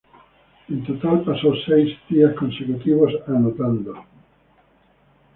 En total, pasó seis fechas consecutivas anotando.